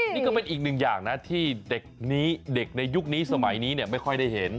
นี่ก็เป็นอีกหนึ่งอย่างนะที่เด็กนี้เด็กในยุคนี้สมัยนี้ไม่ค่อยได้เห็น